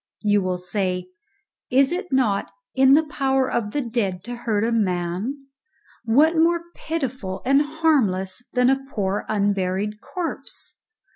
You will say, "It is not in the power of the dead to hurt a man; what more pitiful and harmless than a poor unburied corpse?"